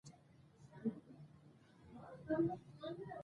ازادي راډیو د د تګ راتګ ازادي په اړه د معارفې پروګرامونه چلولي.